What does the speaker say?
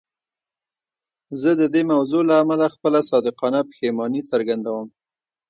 زه د دې موضوع له امله خپله صادقانه پښیماني څرګندوم.